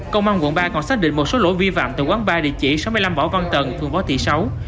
công an quận ba còn xác định một số lỗ vi vạm tại quán bar địa chỉ sáu mươi năm võ văn tần phường võ tỉ sáu